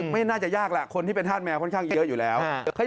ไม่น่าจะยากแหละคนที่เป็นธาตุแมวค่อนข้างเยอะอยู่แล้ว